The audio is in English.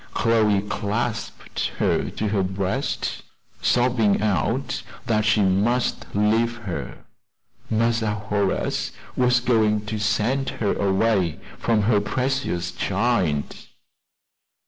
Chloe clasped her to her breast, sobbing out that she must leave her. "Massa Horace was going to send her away from her precious child."